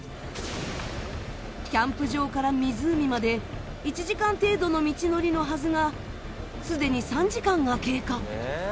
キャンプ場から湖まで１時間程度の道のりのはずがすでに３時間が経過。